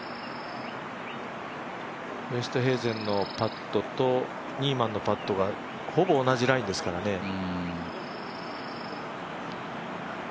ウェストヘーゼンのパットとニーマンのパットがほぼ同じラインですからね。